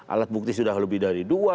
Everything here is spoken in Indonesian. alat bukti sudah lebih dari dua